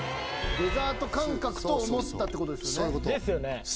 デザート感覚と思ったってことですよね